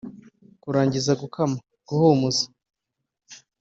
kurangiza gukama guhumuza